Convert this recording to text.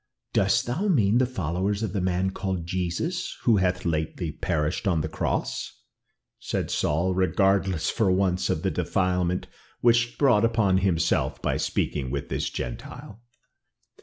"Dost thou mean the followers of the man called Jesus, who hath lately perished on the cross?" said Saul, regardless for once of the defilement which he brought upon himself by speaking with this Gentile.